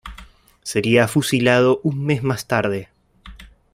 Sería fusilado un mes más tarde.